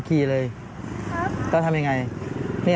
เรียนที่ไหน